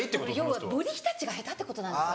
要はボディータッチが下手ってことなんですよ。